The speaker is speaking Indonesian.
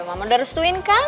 mama udah harus tuinkan